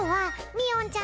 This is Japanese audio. みおんちゃん？